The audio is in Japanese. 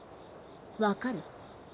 分かる？